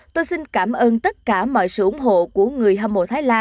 tôi xin cảm ơn tất cả mọi sự ủng hộ của người hâm mộ